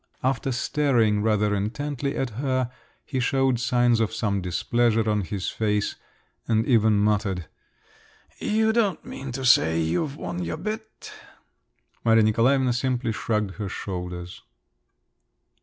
After staring rather intently at her, he showed signs of some displeasure on his face, and even muttered, "You don't mean to say you've won your bet?" Maria Nikolaevna simply shrugged her shoulders.